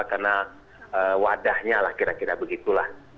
karena wadahnya lah kira kira begitulah